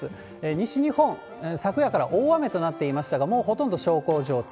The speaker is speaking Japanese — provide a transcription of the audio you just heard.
西日本、昨夜から大雨となっていましたが、もうほとんど小康状態。